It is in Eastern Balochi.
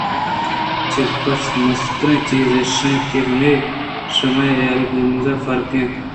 بس مستریں چیز ایش اِنت کہ مئیے ءُ شُمئے ہیل ءُ ہُنراں فرق اِنت